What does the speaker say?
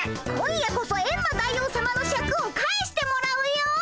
今夜こそエンマ大王さまのシャクを返してもらうよ！